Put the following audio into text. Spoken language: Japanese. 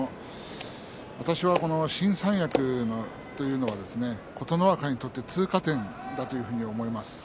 私は新三役というのは琴ノ若にとって通過点だというふうに思います。